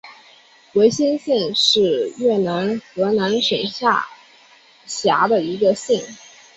维先县是越南河南省下辖的一个县。